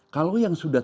kalau yang sudah